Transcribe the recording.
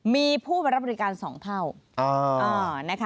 มีผู้ไปรับบริการ๒เท่า